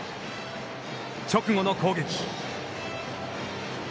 直後の攻撃。